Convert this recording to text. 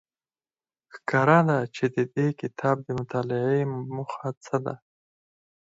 ښکاره ده چې د دې کتاب د مطالعې موخه څه ده